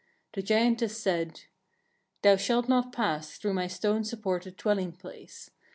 The giantess said: 1. "Thou shalt not pass through my stone supported dwelling place.